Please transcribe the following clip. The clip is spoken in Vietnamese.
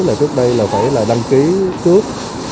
là trước đây là phải là đăng ký trước